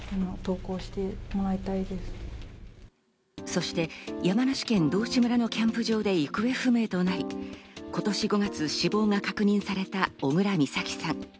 そして、山梨県道志村のキャンプ場で行方不明となり、今年５月、死亡が確認された小倉美咲さん。